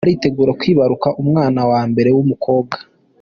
aritegura kwibaruka umwana wa mbere w’umukobwa